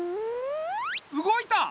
動いた！